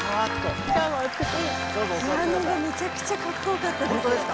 ピアノがめちゃくちゃかっこよかったです。